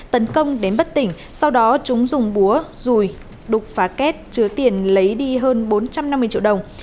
tấn công đến bất tỉnh sau đó chúng dùng búa rùi đục phá kết chứa tiền lấy đi hơn bốn trăm năm mươi triệu đồng